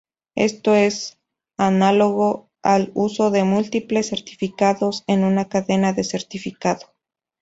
Esto es análogo al uso de múltiples certificados en una cadena de certificado.